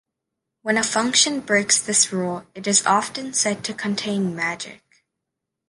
When a function breaks this rule, it is often said to contain "magic".